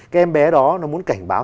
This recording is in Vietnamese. cái em bé đó nó muốn cảnh báo